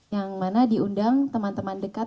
yang mana diundang teman teman dekat